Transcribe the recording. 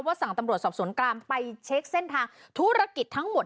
สั่งตำรวจสอบสวนกลางไปเช็คเส้นทางธุรกิจทั้งหมด